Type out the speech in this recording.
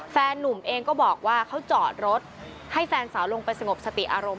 นุ่มเองก็บอกว่าเขาจอดรถให้แฟนสาวลงไปสงบสติอารมณ์